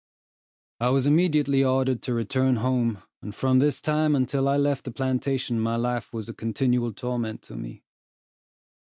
I was immediately ordered to return home, and from this time until I left the plantation my life was a continual torment to me.